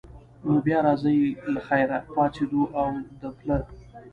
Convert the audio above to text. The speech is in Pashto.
نو بیا راځئ له خیره، پاڅېدو او د پله.